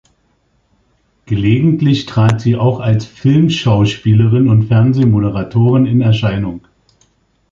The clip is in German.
Gelegentlich trat sie auch als Filmschauspielerin und Fernsehmoderatorin in Erscheinung.